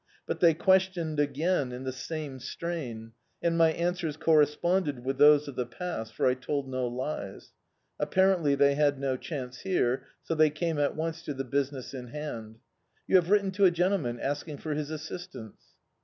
But they questioned again in the same strain, and my answers corresponded with those of the past, for I told no lies. Apparently they had no chance here, so they came at once to the business in had. "You have written to a gentleman, asking for his assistance?"